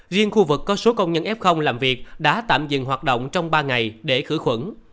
riêng khu vực có số công nhân f làm việc đã tạm dừng hoạt động trong ba ngày để khử khuẩn